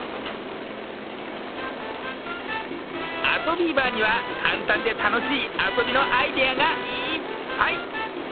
「あそビーバー」にはかんたんでたのしいあそびのアイデアがいっぱい！